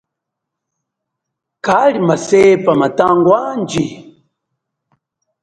Kali masepa mathangwa handji.